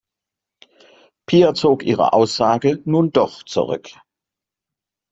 Pia zog ihre Aussage nun doch zurück.